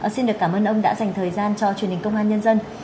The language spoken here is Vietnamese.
xin được cảm ơn ông đã dành thời gian cho truyền hình công an nhân dân